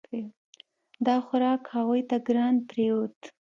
دا خوراک هغوی ته ګران پریوت.